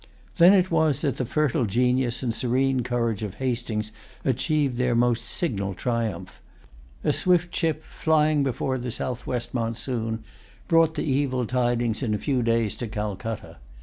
Then it was that the fertile genius and serene courage of Hastings achieved their most signal triumph. A swift ship, flying before the southwest monsoon, brought the evil tidings in a few days to Calcutta.